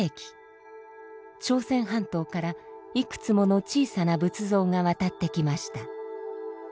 朝鮮半島からいくつもの小さな仏像が渡ってきました。